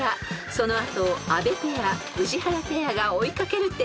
［その後を阿部ペア宇治原ペアが追いかける展開に］